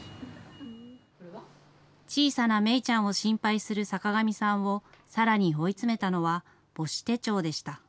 小さな芽ちゃんを心配する坂上さんをさらに追い詰めたのは母子手帳でした。